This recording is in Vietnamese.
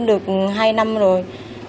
được hai năm rồi